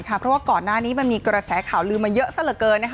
เพราะว่าก่อนหน้านี้มันมีกระแสข่าวลืมมาเยอะซะเหลือเกิน